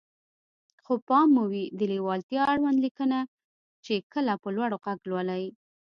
خو پام مو وي د ليوالتيا اړوند ليکنه چې کله په لوړ غږ لولئ.